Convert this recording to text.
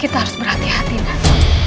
kita harus berhati hatilah